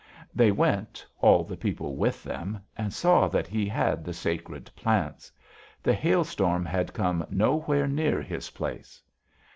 "They went, all the people with them, and saw that he had the sacred plants. The hailstorm had come nowhere near his place.